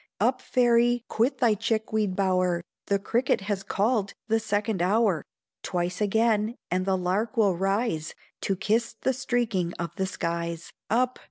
Up, Fairy! quit thy chick weed bower, The cricket has called the second hour, Twice again, and the lark will rise To kiss the streaking of the skies Up!